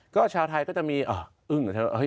ก็ชาวไทยก็จะมีอ้าวอึ้ง